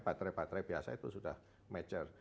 baterai baterai biasa itu sudah mature